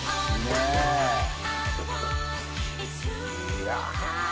いや！